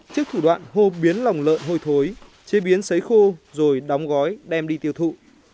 trước thủ đoạn hô biến lòng lợn hơi thối chế biến xấy khô rồi đóng gói đem đi tiêu thụ